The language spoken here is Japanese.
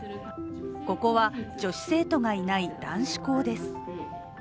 ここは女子生徒がいない男子校です。